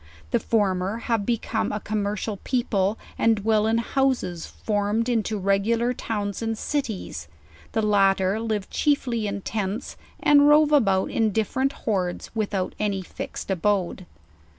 The former have become a commercial people, and dwell in houses farmed into regular towns and cities; the lat ter live chiefly in tents, and rove about in different hordes, without any fixed^ abode.